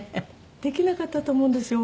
できなかったと思うんですよ。